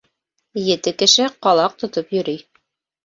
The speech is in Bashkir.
Ете кеше ҡалаҡ тотоп йөрөй.